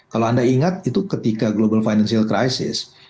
kalau anda ingat itu ketika global financial crisis